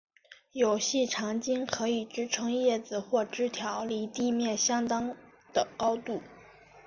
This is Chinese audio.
有细长茎可以支持叶子或枝条离地面相当的高度。